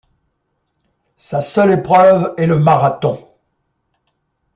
Sa seule épreuve est le marathon.